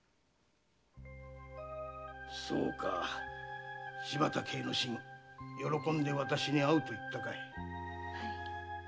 そうか柴田計之進は喜んで私に会うと言ったかい。